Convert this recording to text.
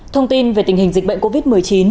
thông tin về tình hình dịch bệnh covid một mươi chín